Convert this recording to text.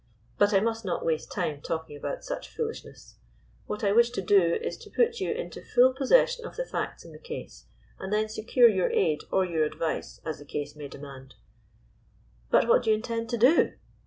But I must not waste time talking about such foolishness. What I wish to do is to put you into full possession of the facts in the case, and then secure your aid or your ad vice, as the case may demand." 199 GYPSY, THE TALKING DOG "But wiiat do you intend to do?"